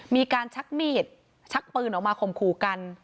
มีการชักมีดชักปืนออกมาข่มขู่กัน